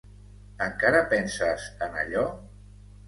Encara penses en allò?